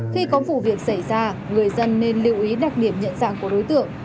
khi có vụ việc xảy ra người dân nên lưu ý đặc điểm nhận dạng của đối tượng